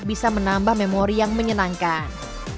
bisa menambah memori yang menyenangkan